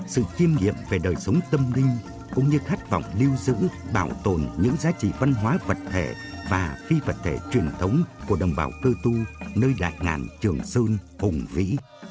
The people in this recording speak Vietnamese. sự chiêm nghiệm về đời sống tâm linh cũng như khát vọng lưu giữ bảo tồn những giá trị văn hóa vật thể và phi vật thể truyền thống của đồng bào cơ tu nơi đại ngàn trường sơn hùng vĩ